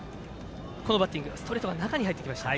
このバッティングストレートが中に入ってきました。